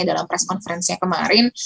dalam press conference nya kemarin